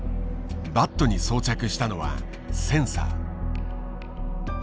バットに装着したのはセンサー。